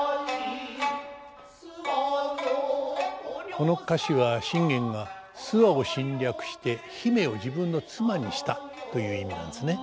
この歌詞は信玄が諏訪を侵略して姫を自分の妻にしたという意味なんですね。